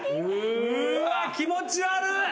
うっわ気持ち悪っ。